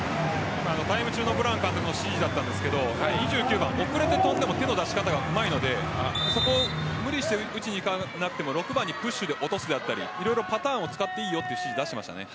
タイム中のブラン監督の指示だったんですが２９番、遅れて跳んでも手の出し方がうまいのでそこを無理して打ちにいかなくても６番にプッシュで落とすとか色々パターンを使っていいよという指示を出していました。